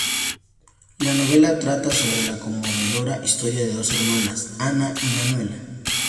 La novela trata sobre la conmovedora historia de dos hermanas, Ana y Manuela.